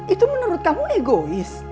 itu menurut kamu egois